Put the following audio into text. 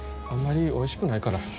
あんまりおいしくないから。